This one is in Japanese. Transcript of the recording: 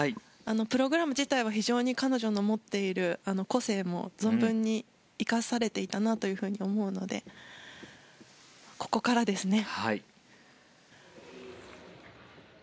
プログラム自体は非常に彼女の持っている個性も存分に生かされていたなと思うのでここからですね。